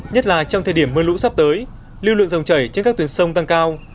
nhất là trong thời điểm mưa lũ sắp tới lưu lượng dòng chảy trên các tuyến sông tăng cao